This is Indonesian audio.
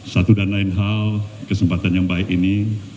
satu dan lain hal kesempatan yang baik ini